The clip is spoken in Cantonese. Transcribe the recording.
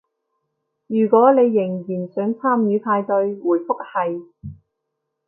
如果你仍然想參與派對，回覆係